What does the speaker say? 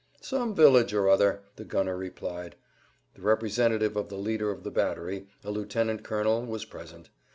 "Some village or other," the gunner replied. The representative of the leader of the battery, a lieutenant colonel, was present.